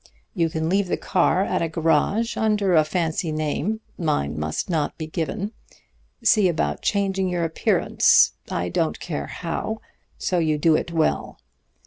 You can leave the car at a garage under a fancy name mine must not be given. See about changing your appearance I don't care how, so you do it well.